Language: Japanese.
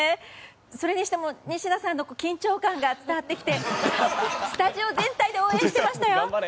それにしても仁科さんの緊張感が伝わってきてスタジオ全体で応援していましたよ。